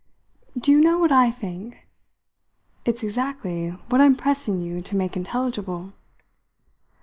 "Do you know what I think?" "It's exactly what I'm pressing you to make intelligible."